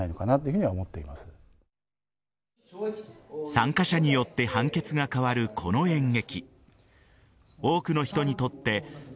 参加者によって判決が変わるこの演劇。